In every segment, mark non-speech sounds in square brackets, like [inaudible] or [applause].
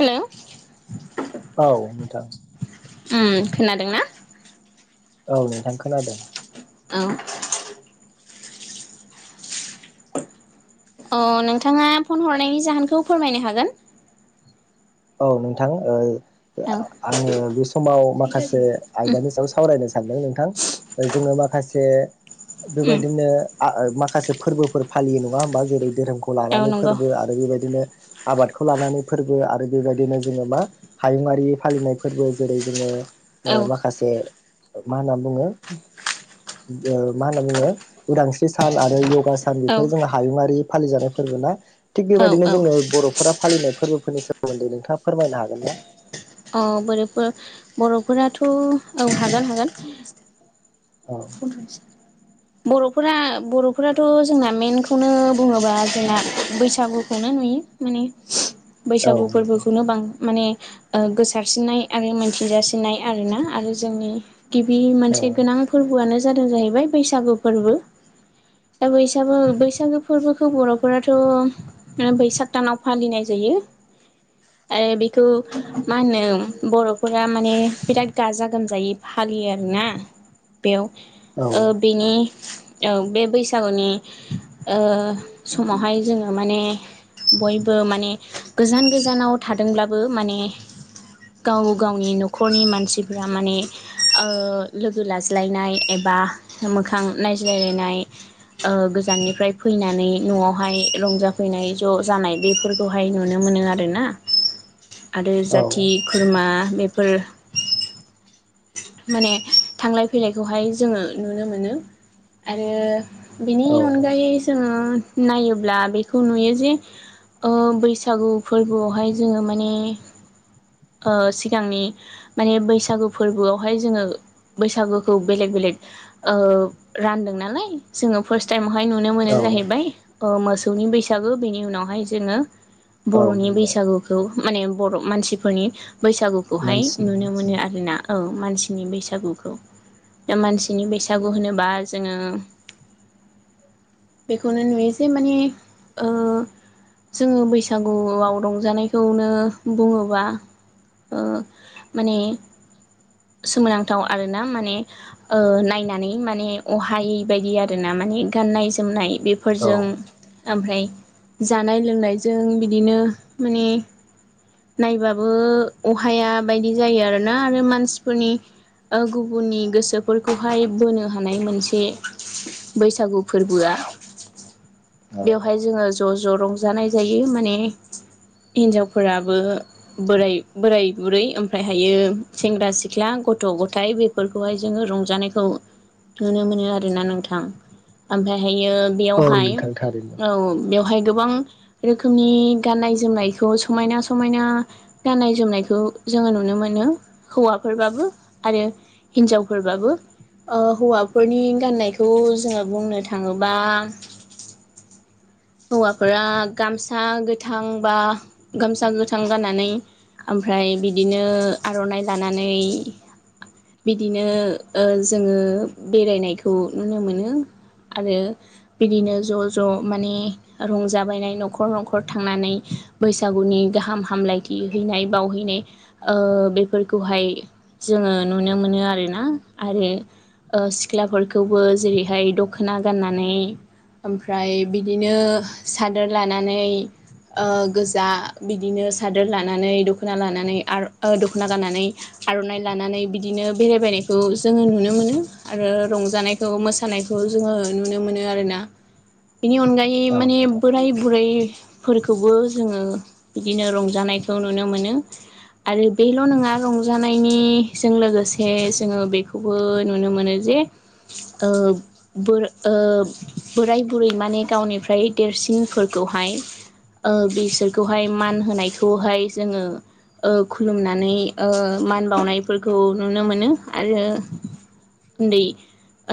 Hello औ नोंथां। उम खोनादों ना? औ नोंथां खोनादों। औ। अ नोंथाङा फन हरनायनि जाहोनखौ फोरमायनो हागोन। औ नोंथां ओ औ आङो बेस समाव माखासे उम आयदानि सायाव सावरायनो सानदों नोंथां जोङो माखासे उम बेबायदिनो आ ओ माखासे फोरबोफोर फालियो नङा होमबा जेरै धोरोम खौ औ लानानै नंगौ फोरबो आरो बेबायदिनो आबादखौ लानानै फोरबो आरो बेबायदिनो जोङो मा हायुङारि फालिनाय फोरबो जेरै जोङो औ ओ माखासे मा होनना बुङो ओ मा होनना बुङो उदांस्रि सान आरो य गा सान औ बेफोर जोङो हायुङारि फालिजानाय फोरबो ना थिग औ बेबायदिनो औ जोङो बर'फोरा फालिनाय फोरबो फोरनि सोमोन्दै नोंथाङा फोरमायनो हागोन ना? औ बोरैफोर बर'फोराथ' औ हागोन हागोन। औ बर'फोरा बर'फोराथ' जोंना मेनखौनो बुङोबा जोंना बैसागुखौनो नु [unintelligible] माने औ बैसागु नोंथां फोरबोखौनो बां माने ओ गोसारसिननाय आरो मोनथिजासिननाय आरोना आरो जोंनि गिबि औ मोनसे गोनां फोरबोआनो जादों जाहैबाय बैसागु फोरबो। दा बैसाबो बैसागो फोरबोखौ बर'फोराथ' ओ बैसाग दानाव फालिनाय जे यो आइ बेखौ मा होनो बर'फोरा माने बिराद गाजा गोमजायै फा लियो आरोना बेयाव औ ओ बेनि औ बे बैसागुनि ओ समावहाय जोङो माने बयबो माने गोजान गोजानाव थादोंब्लाबो माने गाव गावनि न'खरनि मानसिफ्रा माने ओ लोगो लाज्लायनाय एब बा मोखां नायज्लायलायनाय ओ गोजाननिफ्राय फैनानै न'आवहाय रंजाफैनाय ज' जानाय बेफोरखौहाय नुनो मो नो आरोना आरो जाथि खुरमा बेफोर माने थांलाय फैलायखौहाय जोङो नुनो मोनो। आरो बिनि औ अनगायै जोङो उम नायोब्ला बेखौ नुयो जे ओ बैसागु फोरबोआवहाय जोङो माने ओ सिगांनि माने बैसागु फोरबोआवहाय जोङो बैसागोखौ बेलेग बे लेग ओ रानदों नालाय जोङो फार्ट टाइम हाय नुनो मोनो औ जाहैबाय ओ मोसौनि बैसागो बेनि उनावहाय जोङो औ बर'नि नंगौ बैसागुखौ माने बर' मानसिफोरनि बैसागुखौहाय मानसिनि नुनो मोनो आरोना औ। मानसिनि बैसागुखौ दा मानसिनि बैसागु होनोबा जोङो बेखौनो नुयो जे माने ओ जोङो बैसागुआव रंजानायखौनो बुङोबा ओ माने सोमोनांथाव आरोना माने ओ नायनानै माने अहायै बायदि आरोना माने गाननाय जोमनाय औ बेफोरजों आमफ्राय जानाय लोंनायजों बिदिनो माने नायबाबो अहाया बायदि जायो आरोना रो मानसिफोरनि ओ गुबुननि गोसोफोरखौहाय बोनो हानाय मोन से बैसागु फोरबोआ। औ बेवहाय जोङो ज' ज' रंजानाय जायो माने हिनजावफोराबो बोराय बोराय बुरै ओमफ्रायहायो सेंग्रा सिख्ला गथ' गथायाइ बेफोरखौहाय जोङो रंजानायखौ नुनो मोनो आरोना नोंथां। आमफायहायो औ बेयावहाय नोंथां थारैनो औ बेवहाय गोबां रोखोमनि गाननाय जोमनायखौ समायना समायना गाननाय जोमनायखौ जोङो नुनो मोनो हौवाफोरबाबो आरो हिनजावफोरबाबो। अ हौवा फोरनि गान्नायखौ जोङो बुंनो थाङोबा हौवाफोरा गामसा गोथां बा गामसा गोथां गाननानै आमफ्राय बिदिनो आर'नाइ लानानै बिदिनो ओ जोङो बेरायनायखौ नुनो मोनो। आरो बिदिनो ज' ज' माने रंजाबायनाय न'खर न'खर थांनानै बैसागुनि गाहाम हामलायथि हैनाय बावहै नाय ओ बेफोरखौहाय जोङो नुनो मोनो आरोना। आरो ओ सिख्लाफोरखौबो जेरैहाय दख'ना गाननानै ओमफ्राय बिदि नो सादोर लानानै ओ गोजा बिदिनो सादोर लानानै दख'ना लानानै आर ओ दख'ना गाननानै आर'नाइ लानानै बिदिनो बेरायबायनायखौ जोङो नुनो मोनो आरो रंजानायखौ मोसानायखौ जोङो नुनो मोनो आरोना बेनि अनगायै औ माने नोंथां बोराय बुरै फोरखौबो जोङो बिदिनो रंजानायखौ नुनो मोनो। आरो बेल' नङा रंजानायनिजों लोगोसे जोङो बेखौबो नुनो मोनो जे ओ बोर ओ बोराय बुरै माने गावनि फ्राय देरसिनफोरखौहाय ओ बिसोरखौहाय मान होनायखौहाय जोङो ओ खुलुमनानै ओ मान बावनायफोरखौ नुनो मोनो । आरो उन्दै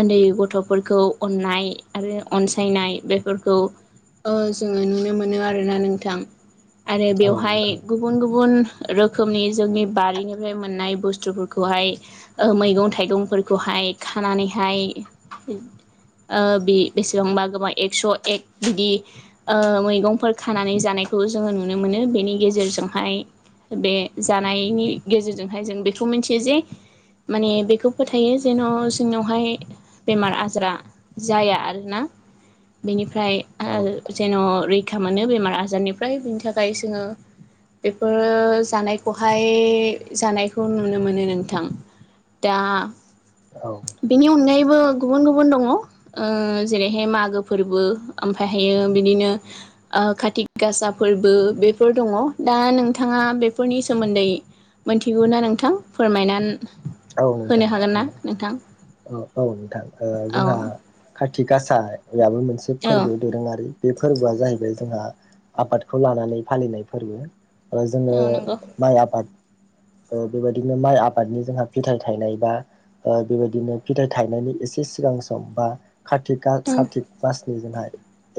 ओन्दै गथ'फोरखौ अननाय आरो अनसायनाय बे फोरखौ ओ जोङो नुनो मोनो आरोना नोंथां। आरो औ बेवहाय नोंथां गुबुन गु बुन रोखोमनि जोंनि बारिनिफ्राय मोननाय बुस्थुफोरखौहाय ओ मैगं थाइगं फोरखौहाय खानानैहाय ओ बे बेसेबांबा गोबां एक्स' एक बिदि ओ मैगंफोर खानानै जानायखौ जोङो नुनो मोनो बेनि गेजेरजोंहाय बे जानायनि गेजेरजोंहाय जों बेखौ मिनथियो जे माने बेखौ फोथायो जेन' जोंनावहाय बेमार आजारा जाया आरोना। बेनिफ्राय औ आरो नोंथां जेन' रै खा मोनो बेमार आजारनिफ्राय बिनि थाखाय जोङो बेफोर जानायखौहाय जानायखौ नुनो मोनो नोंथां। दा औ बेनि अनगायैबो गुबुन गुबुन दङ ओ जेरैहाय मागो फोरबो ओमफ्रायहायो बिदिनो खाथिगासा फोरबो बेफोर दङ दा नोंथाङा बेफोरनि सोमोन्दै मिथिगौ ना नोंथां फोरमायना औ नोंथां औ औ औ नोंथां औ जोंहा खाथि थि गाासायाबो मोनसे औ फोरबो दोरोङारि बे फोरबोआ जाहैबाय जोंहा आबादखौ लानानै फालिनाय फोरबो ओ जोङो औ नंगौ माइ आबाद बेबायदिनो माइ आबादनि जोंहा फिथाइ थायनाय बा बेबायदिनो फिथाइ थाइनायनि एसे सिगां सम बा औ कार्तिक मासनिजोंहाय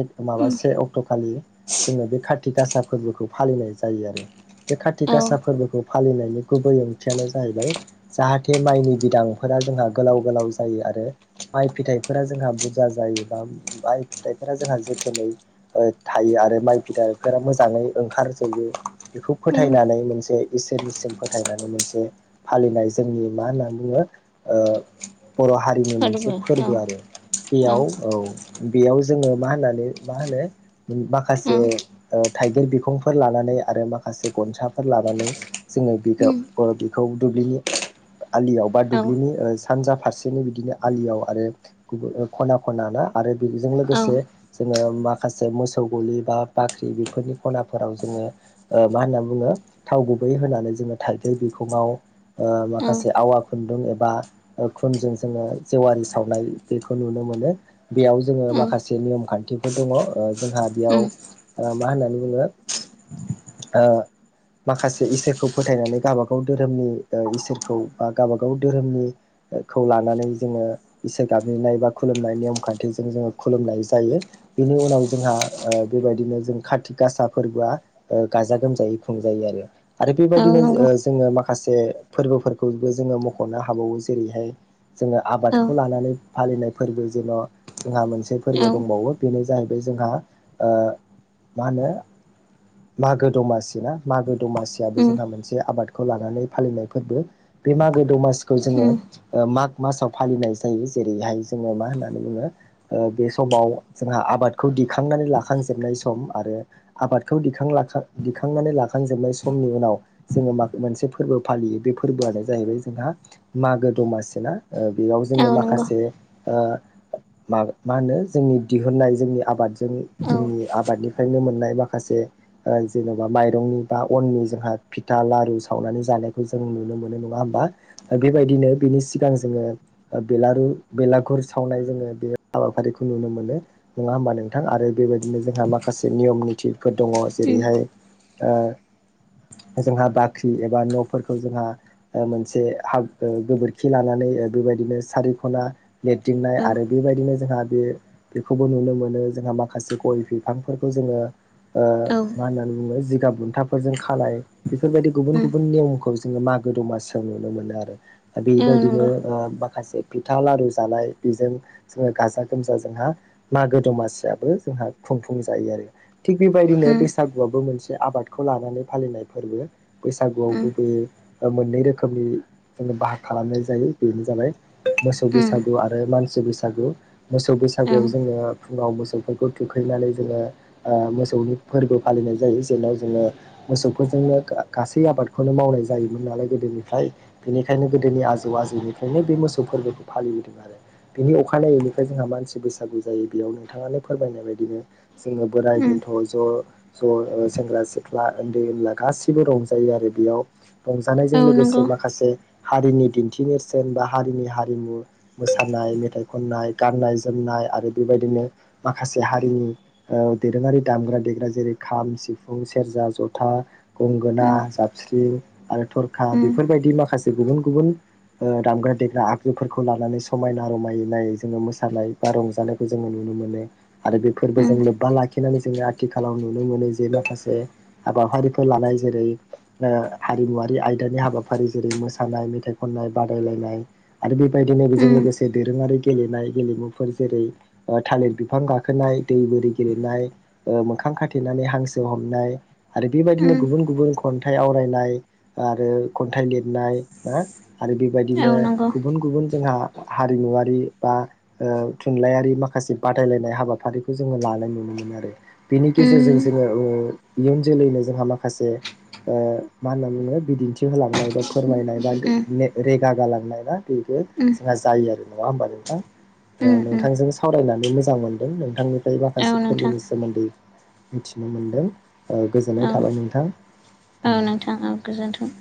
एक माबा उम से अक्ट' खालि जोङो बे कार्ति गासा फोरबोखौ फालिनाय जायो आरो। बे खाथि औ गासा फोरबोखौ फालिनायनि गुबै ओंथियानो जाहैबाय जाहाथे माइनि बिदांफोरा जोंहा गोलाव गोलाव जायो आरो माइ फिथाइफोरा जोंहा बुरजा जायोबा माइ फिथाइफोरा जोंहा जोथोनै थायो। आरो माइ फिथाइफोरा मोजाङै ओंखारजोबो बेखौ उम फोथायनानै मोनसे इसोरनिसिम फोथायनानै मोनसे फालिनाय जोंनि मा होननानै बुङो ओ बर' हारिनि मोनसे फोरबो आरो बेयाव औ बेयाव जोङो मा होननानै मा होनो औ माखासे थाइगिर बिखंफोर लानानै आरो माखासे गनसाफोर लानानै जोङो उम बेखौ बेखौ दुब्लिनि आलियाव बा औ दुब्लिनि सानजा फारसेनो बिदिनो आलियाव आरो खना खनाना आरो बेजों लोगोसे औ जोङो मा माखासे मोसौ गलि बा बाख्रि बेफोरनि खनाफोराव जोङो मा होनना बुङो थाव गु बै होनानै जोङो थाइगिर सिगांङाव औ माखासे आवा खुनदुं बा खुनजों जोङो जेवारि सावनाय बेखौ नुनो मोनो। बेयाव जोङो माखासे नियम खान्थिफोर दङ जोंहा बेयाव उम मा होननानै बुङो माखासे इसोरखौ फोथायनानै गावबा गाव धोरोमनि इसोरखौ बा गावबाागाव धोरोमनिखौ लानानै जोङो इसोर गाबज्रिनाय बा खुलुमनाय नेयम खान्थिजों जोङो खुलुमनाय जायो बिनि उनाव जोंहा बेबायदिनो जों कार्त गासा फोरबोआ गाजा गोमजायै खुंजायो आरो आरो औ बेबायदिनो नंगौ जोङो माखासे फोरबोफोरखौबो जोङो मख'नो हाबावो जेरैहाय जोङो औ आबादखौ लानानै फालिनाय फोरबो जेन' जोंहा मोनसे फोरबो औ दंबावो बेनो जाहैबाय जोंहा मा होनो मागो दमासि ना मागो दमासि उम जोंहा मोनसे आबादखौ लानानै फालिनाय फोरबो बे मागो दमासिखौ जोङो उम माग मासाव फालिनाय जायो जेरैहाय जोङो मा होननानै बुङो बे समाव जोंहा आबादखौ दिखांनानै लाखांजोबनाय सम आरो आबादखौ दिखां दिखांनानै लाखांजोबनाय सम नि उनाव जोङो म मोनसे फोरबो फालियो बे फोरबोआनो जाहैबाय जोंहा मागो दमासि बेयाव जोङो औ नंगौ औ माखासे म मा होनो जोंनि दिहुननाय जोंनि आबादजों जोंनि आबादनिफ्रायनो मोननाय माखासे जेन'बा माइरंनि बा अननि जोंहा फिथा लारु सावनानै जानायखौ जों नुनो मोनो नङा हबा बेबायदिनो बिनि सिगां जोङो बेलारु बेलागुर सावनाय जोङो बे हाबाफारिखौ नुनो मोनो नङा होमबा नोंथां आरो बेबायदिनो जोंहा माखासे नियम निथिफोर दङ उम जेरैहाय [inaudible] जोंहा बाख्रि एबा न'फोरखौ जोंहा मोनसे गोबोरखि लानानै बेबायदिनो सारिखना लिरदिंनाय आरो बेबायदिनो जोंहा बे बेखौबो नुनो मोनो जोंहा माखासे गय बिफांफोरखौ जोङो औ औ मा होननानै बुङो जिगाब बुन्थाफोरजों खालाय बेफोरबायदि गुबुन उम गुबुन नियमखौ जो मागो दमसिव नुनो मोनो आरो औ बेबायदिनो नंगौ माखासे फिथा लारु जानाय बेजों जोङो गाजा गोमजा जोंहा मागो दमासियाबो जोंहा खुंफुं जायो आरो थिग बेबायदिनो उम बैसागुआबो मोनसे आबादखौ लानानै फालिनाय फोरबो बैसागुआव उम गुबैयै ओ मोननै रोखोमनि जोङो बाहाग खालामनाय जायो बेनो जाबाय मोसौ उम बैसागु आरो मानसि बैसागु मोसौ औ बैसागुआव जोङो फुङाव मोसौफोरखौ थुखैनानै जोङो ओ मोसौनि फोरबो फालिनाय जायो । जेनाय जोङो मोसौफोरजोंनो गा-गासै आबादखौनो मावनाय जायोमोन नालाय गोदोनिफ्राय बेनिखायनो गोद दोनि आजौ आजौनिफ्रायनो बे मोसौ फोरबोखौ फालिबोदों आरो बेनि अखानायैनिफ्राय जोंहा मानसि बैसागु जायो बेयाव नोंथाङानो फोरमायनाय बायदिनो जोङो बोराय उम बेन्थ' ज' ज' ओ सेंग्रा सि ख्ला ओन्दै ओनला गासिबो रंजायो आरो बियाव। रंजानायजों औ नंगौ लोगोसे माखासे हारिनि दिन्थि नेरसोन बा हारिनि हारिमु मोसानाय मेथाइ खननाय गान्नाय जोमनाय आरो बेबा यदिनो माखासे हारिनि ओ दोरोङारि दामग्रा देग्रा जेरै खाम सिफुं से सेरजा जथा गंगोना उम जाबस्रि आरो थरखा उम बेफोरबायदि माखास गुबुन गुबुन ओ दामग्रा देग्रा आगजुफोरखौ लानानै समायना रमायनायै जोङो मोसानाय बा रंजानायखौ जोङो नु नो मोनो आरो बेफोरबो जों उम लोब्बा लाखिनानै जोङो आथिखालाव नुनो मोनो जे माखासे हाबाफारिफोर लानाय जेरै ओ हारिमुवारि आयदानि हाबाफारि जेरै मोसानाय मेथाइ खननाय बादायलायनाय आरो बेबायदिनो बेजों उम लोगोसे दोरोङारि गेलेनाय गेलेमुफोर जेरै ओ थालिर बिफां गाखोनाय दै बोरि गेलेनाय ओ मोखा खां खाथेनानै हांसो हमनाय। आरो बेबायदिनो उम गुबुन गुबुन खन्थाइ आवरायनाय आरो खन्थाइ लिदनाय ना आरो औ बेबायदिनो नंगौ गुबुन गुबुन जोंहा हारिमुवारि बा ओ थुनलाइयारि माखासे बादायलायनाय हाबाफारिखौ जोङो लानाय नुनो मोनो आरो। बेनि गेजेरजों उम जोङो ओ इयुन जोलैनो जोंहा माखासे ओ मा होनना बुङो बिदिन्थि होलांनाय बा फोरमायनाय बा उम रेगा गालांनाय बा बि यो उम जोंहा जायो आरो नङा होमबा नोंथां? ओ उम उम नोंथांजों सावरायनानै मोजां मोनदों नोंथांनिफ्राय बा औ खासे नोंथां फोरबोनि सोमोन्दै मिथिनो मोनदों। ओ गोजोननाय औ थाबाय नोंथां। औ नोंथां औ गोजोन्थों।